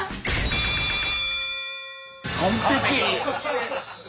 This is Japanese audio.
完璧。